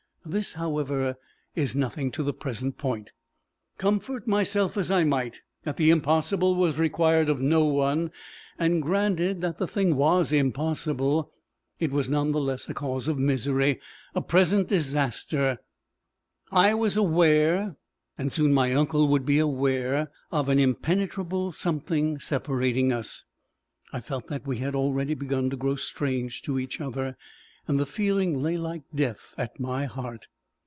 This, however, is nothing to the present point. Comfort myself as I might, that the impossible was required of no one, and granted that the thing was impossible, it was none the less a cause of misery, a present disaster: I was aware, and soon my uncle would be aware, of an impenetrable something separating us. I felt that we had already begun to grow strange to each other, and the feeling lay like death at my heart.